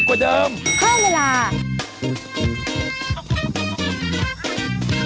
ข้าวใส่ไทยส้มกว่าไทย